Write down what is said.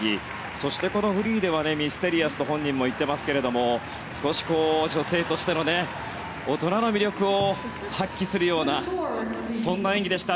そして、このフリーではミステリアスと本人も言っていますが少し女性としての大人な魅力を発揮するようなそんな演技でした。